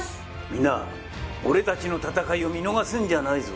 みんな、俺たちの戦いを見逃すんじゃないぞ。